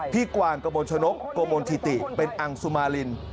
พี่กวานกโบนชนกกโบนธิติเป็นอังสุมาริน